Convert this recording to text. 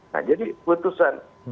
nah jadi putusan